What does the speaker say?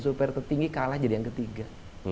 super tertinggi kalah jadi yang ketiga